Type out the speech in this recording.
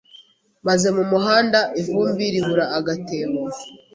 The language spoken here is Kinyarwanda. maze mu muhanda ivumbi ribura agatebo.